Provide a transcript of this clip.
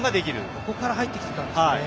ここから入ってきていたんですね。